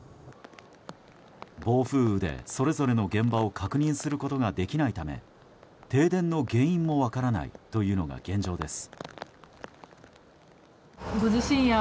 暴風雨で、それぞれの現場を確認することができないため停電の原因も分からないというのが現状です。